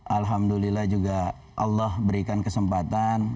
alhamdulillah juga allah berikan kesempatan